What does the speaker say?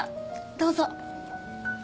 どうぞ。